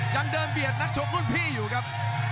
ยังเดินเบียดนักชกรุ่นพี่อยู่ครับ